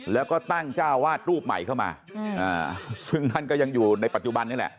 แล้วก็ตั้งจ้าวาดรูปใหม่เข้ามาซึ่งท่านก็ยังอยู่ในปัจจุบันนี่แหละ